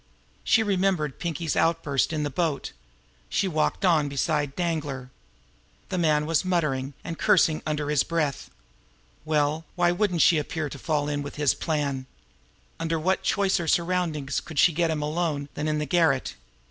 She remembered Pinkie Bonn's outburst in the boat. She walked on beside Danglar. The man was muttering and cursing under his breath. Well, why shouldn't she appear to fall in with his plans? Under what choicer surroundings could she get him alone than in the garret?